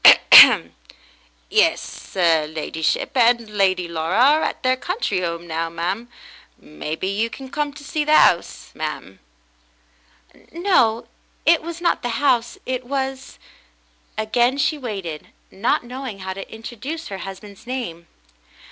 "Yes, 'er ladyship and Lady Laura are at their country 'ome now, ma'm. Maybe you came to see the 'ouse, ma'm.?" "No, it was not the house — it was —" Again she waited, not knowing how to introduce her husband's name.